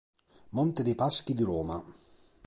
Monte dei Paschi di Roma.